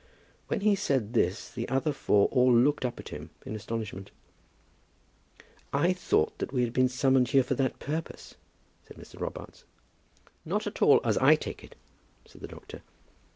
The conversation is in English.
When he said this, the other four all looked up at him in astonishment. "I thought that we had been summoned here for that purpose," said Mr. Robarts. "Not at all, as I take it," said the doctor.